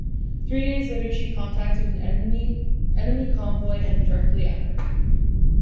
Three days later, she contacted an enemy convoy headed directly at her.